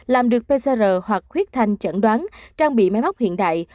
làm được pcr hoặc huyết thanh chẩn đoán trang bị máy móc hiện đại